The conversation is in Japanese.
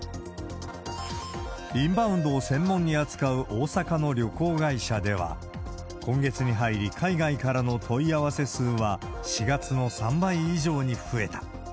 インバウンドを専門に扱う大阪の旅行会社では、今月に入り、海外からの問い合わせ数は、４月の３倍以上に増えた。